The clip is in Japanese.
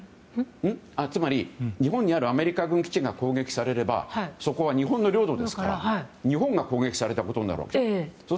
つまり、日本にあるアメリカ軍基地が攻撃されればそこは日本の領土ですから日本が攻撃されたことになるわけです。